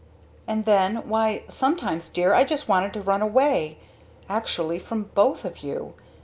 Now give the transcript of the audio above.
And then why sometimes dear, I just wanted to run away! Actually! From both of you!